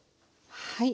はい。